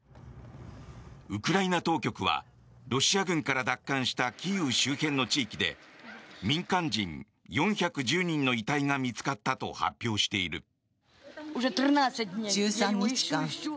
ウクライナ当局はロシア軍から奪還したキーウ周辺の地域で民間人４１０人の遺体が見つかったと発表している。